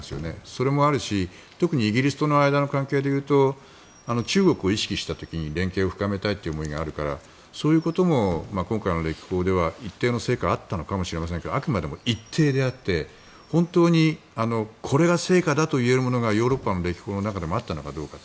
それもあるし、特にイギリスとの間の関係でいうと中国を意識した時に連携を深めたいという思いがあるからそういったことも今回の歴訪では一定の成果があったのかもしれませんがあくまでも一定であって本当にこれが成果だといえるものがヨーロッパの歴訪の中ではあったのかどうか。